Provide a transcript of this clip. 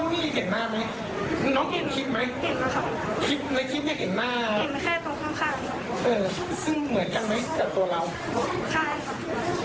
น้องเห็นคลิปไหม